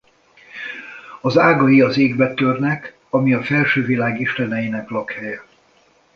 Az ágai az égbe törnek ami a Felső-világ isteneinek lakhelye.